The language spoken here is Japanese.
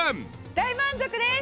大満足です！